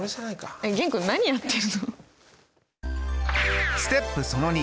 えっ玄君何やってるの。